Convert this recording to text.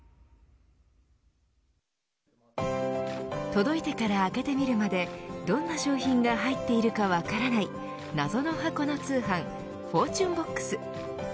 届いてから開けてみるまでどんな商品が入っているか分からない謎の箱の通販フォーチュンボックス。